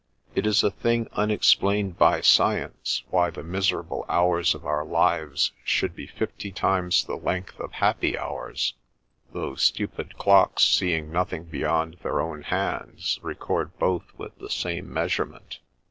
It is a thing unexplained by science why the mis erable hours of our lives should be fifty times the length of happy hours, though stupid clocks, seeing nothing beyond their own hands, record both with the same measurement.